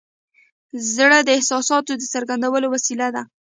زړه د احساساتو د څرګندولو وسیله ده.